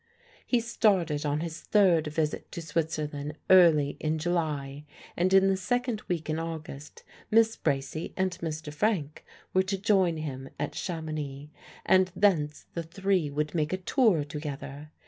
He started on his third visit to Switzerland early in July: in the second week in August Miss Bracy and Mr. Frank were to join him at Chamounix, and thence the three would make a tour together.